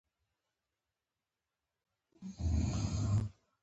د افغانستان په منظره کې ځمکنی شکل په ډېر ښکاره ډول دی.